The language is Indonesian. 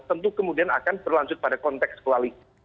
tentu kemudian akan berlanjut pada konteks koalisi